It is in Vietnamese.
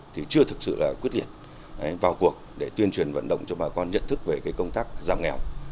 thì chưa thực sự là quyết liệt vào cuộc để tuyên truyền vận động cho bà con nhận thức về công tác giảm nghèo